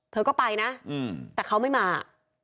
เธอก็ไปนะแต่เขาไม่มา